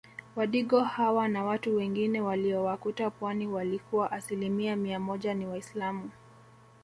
Wadigo hawa na watu wengine waliowakuta pwani walikuwa asilimia mia moja ni waislamu